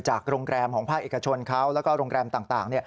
โรงแรมของภาคเอกชนเขาแล้วก็โรงแรมต่าง